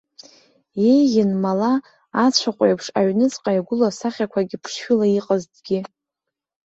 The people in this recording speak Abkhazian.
Еиӷьын, мала, ацәаҟәеиԥш аҩнуҵҟа иагәылоу асахьақәагьы ԥшшәыла иҟазҭгьы.